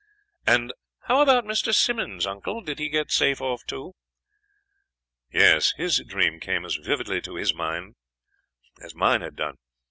"And how about Mr. Simmonds, uncle? Did he get safe off too?" "Yes, his dream came as vividly to his mind as mine had done.